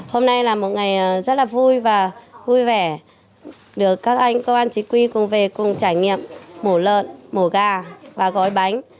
hôm nay là một ngày rất là vui và vui vẻ được các anh công an chí quy cùng về cùng trải nghiệm mổ lợn mổ gà và gói bánh